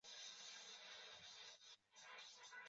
新罗萨兰迪亚是巴西托坎廷斯州的一个市镇。